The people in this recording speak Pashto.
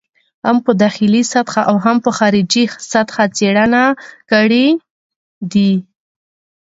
هم په داخلي سطحه او هم په خارجي سطحه څېړنه کړې دي.